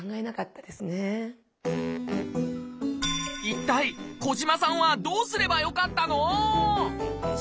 一体小島さんはどうすればよかったの？